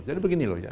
jadi begini loh ya